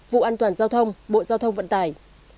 vụ an toàn giao thông bộ giao thông vận tải